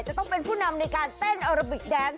จะต้องเป็นผู้นำในการเต้นอาราบิกแดนส